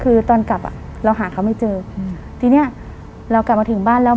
คือตอนกลับอ่ะเราหาเขาไม่เจออืมทีเนี้ยเรากลับมาถึงบ้านแล้ว